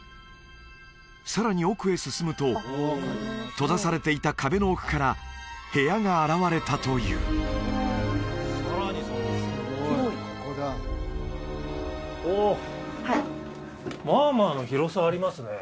さらに奥へ進むと閉ざされていた壁の奥から部屋が現れたというおおまあまあの広さありますね